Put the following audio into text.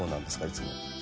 いつも」